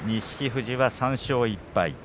富士は３勝１敗。